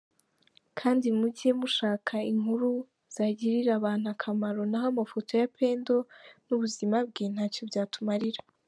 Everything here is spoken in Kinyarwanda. kdi muge mushaka inkuru zagira abantu akamaro naho amafoto ya pendo nubuzimabwe ntacyo byatumarira.